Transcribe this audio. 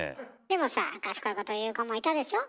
でもさ賢いこと言う子もいたでしょ？